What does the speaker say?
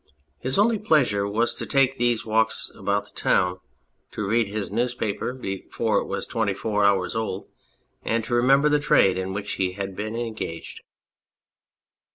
His only pleasure was to take these walks about the town, to read his newspaper before it was twenty four hours old, and to remember the trade in which he had been engaged.